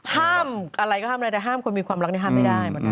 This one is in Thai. ห้ามอะไรก็ห้ามอะไรแต่ห้ามคนมีความรักนี่ห้ามไม่ได้เหมือนกัน